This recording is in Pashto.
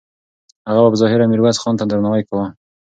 هغه به په ظاهره میرویس خان ته درناوی کاوه.